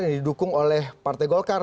yang didukung oleh partai golkar